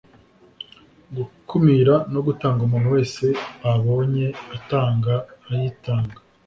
gukumira no gutanga umuntu wese babonye atanga ayitanga